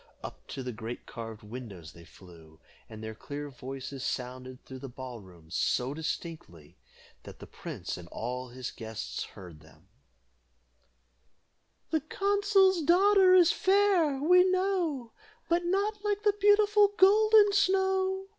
Up to the great carved windows they flew, and their clear voices sounded through the ball room so distinctly, that the prince and all his guests heard them: "The consul's daughter is fair, we know, But not like the beautiful Golden Snow.